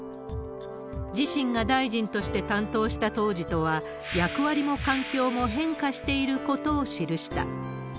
自身が大臣として担当した当時とは、役割も環境も変化していることを記した。